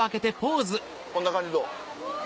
こんな感じでどう？